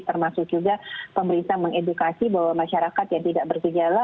termasuk juga pemerintah mengedukasi bahwa masyarakat yang tidak bergejala